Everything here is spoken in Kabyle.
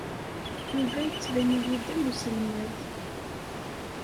Yuba yettban-iyi-d am uselmad.